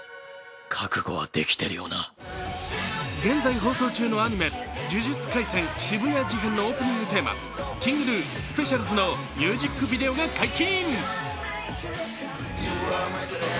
現在放送中のアニメ、「呪術廻戦渋谷事変」のオープニングテーマ、ＫｉｎｇＧｎｕ「ＳＰＥＣＩＡＬＺ」のミュージックビデオが解禁。